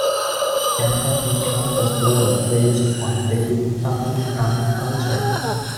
Kalpathy Car Festival is based on vedic Tamil Brahmin culture.